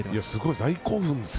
大興奮ですよ。